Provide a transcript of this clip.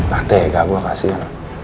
pate gak gua kasih ya